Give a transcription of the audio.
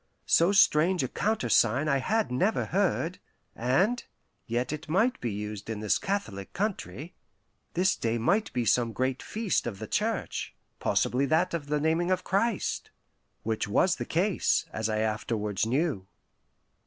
So strange a countersign I had never heard, and yet it might be used in this Catholic country. This day might be some great feast of the Church possibly that of the naming of Christ (which was the case, as I afterwards knew).